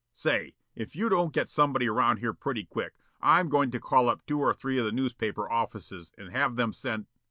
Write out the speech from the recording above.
... Say, if you don't get somebody around here pretty quick, I'm goin' to call up two or three of the newspaper offices and have 'em send